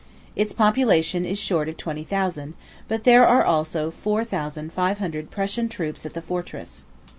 Its population is short of twenty thousand; but there are also four thousand five hundred Prussian troops at the fortress.